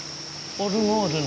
オルゴール！